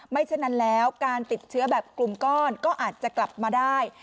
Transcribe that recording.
ฉะนั้นแล้วการติดเชื้อแบบกลุ่มก้อนก็อาจจะกลับมาได้